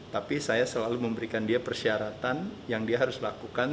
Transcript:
tapi saya selalu memberikan dia persyaratan yang dia harus lakukan